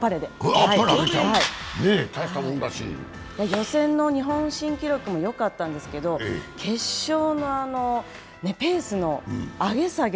予選の日本新記録もよかったんですけど決勝のあのペースの上げ下げ